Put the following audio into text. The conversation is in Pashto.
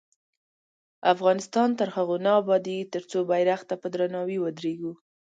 افغانستان تر هغو نه ابادیږي، ترڅو بیرغ ته په درناوي ودریږو.